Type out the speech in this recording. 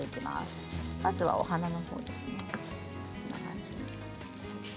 まずは、お花のほうです。